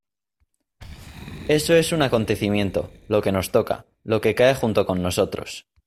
Eso es un acontecimiento, lo que nos toca, lo que cae junto con nosotros.